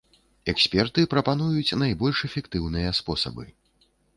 Эксперты прапануюць найбольш эфектыўныя спосабы.